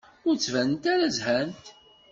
Ur d-ttbanent ara zhant.